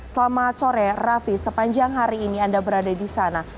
selamat sore raffi sepanjang hari ini anda berada di sana